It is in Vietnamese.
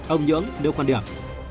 ông nhưỡng đưa quan điểm